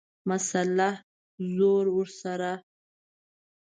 مسئله ، زور ورسره.